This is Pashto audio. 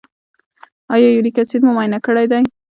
ایا یوریک اسید مو معاینه کړی دی؟